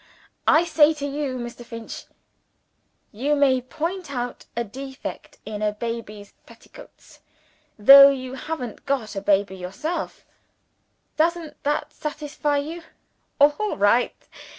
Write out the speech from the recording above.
I say to you 'Mr. Finch, you may point out a defect in a baby's petticoats, though you haven't got a baby yourself!' Doesn't that satisfy you? All right!